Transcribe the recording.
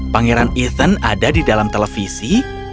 pangeran ethan ada di dalam televisi